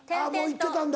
もう行ってたんだ。